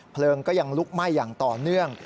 เพลิงก็ยังลุกไหม้อย่างต่อเนื่อง